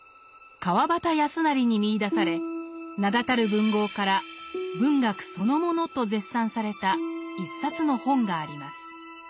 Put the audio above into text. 川端康成に見いだされ名だたる文豪から「文学そのもの」と絶賛された一冊の本があります。